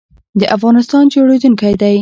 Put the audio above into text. افغانستان جوړیدونکی دی